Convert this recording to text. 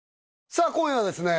さあ今夜はですね